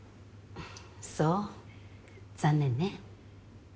そう残念ね。